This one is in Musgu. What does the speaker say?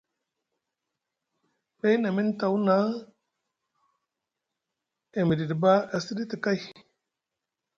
Ɗay na miŋ tawuna e miɗiɗi ɓa e siɗiti kay.